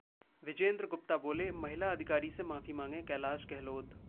विजेंद्र गुप्ता बोले- महिला अधिकारी से माफी मांगे कैलाश गहलोत